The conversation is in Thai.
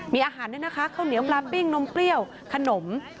มีอาหารด้วยนะคะข้าวเหนียวปลาปิ้งนมเปรี้ยวขนม